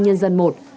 tùy rằng ai cũng bận